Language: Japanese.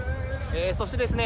そしてですね